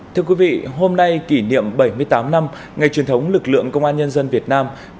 thưa quý vị hôm nay kỷ niệm bảy mươi tám năm ngày truyền thống lực lượng công an nhân dân việt nam